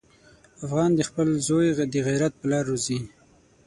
افغان خپل زوی د غیرت په لاره روزي.